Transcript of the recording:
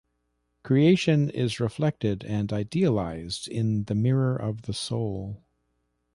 Creation is reflected and idealized in the mirror of the soul.